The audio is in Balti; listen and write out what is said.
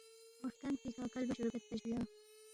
مو ہرکن پیکھہ کلبا شروع بیدپا جُویا